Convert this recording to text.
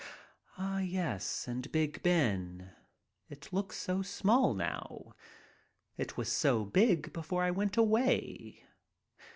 Ah yes, and Big Ben. It looks so small now. It was so big before I went away.